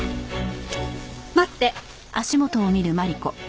待って。